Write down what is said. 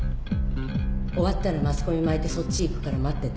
終わったらマスコミまいてそっち行くから待ってて。